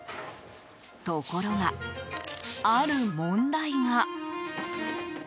ところが、ある問題が。